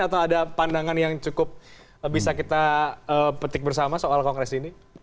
atau ada pandangan yang cukup bisa kita petik bersama soal kongres ini